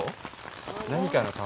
何かの卵？